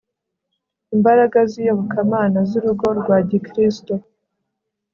Imbaraga ziyobokamana zurugo rwa Gikristo